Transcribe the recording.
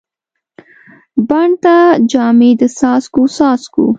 بڼ ته جامې د څاڅکو، څاڅکو